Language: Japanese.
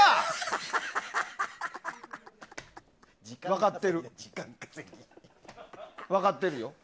分かってる、分かってるよ。